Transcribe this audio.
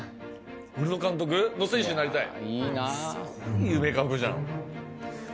俺の監督の選手になりたい？